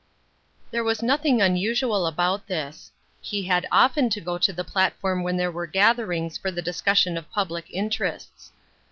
There was nothing unusual about this ; he had often to go to the platform when there were gather ings for the discussion of public interests.